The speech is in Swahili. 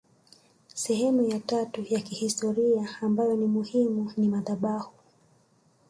Sehemu ya tatu ya kihistoria ambayo ni muhimu ni madhabahu